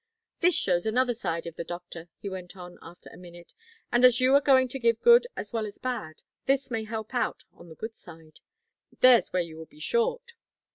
"This shows another side of the doctor," he went on, after a minute, "and as you are going to give good as well as bad, this may help out on the good side there's where you will be short.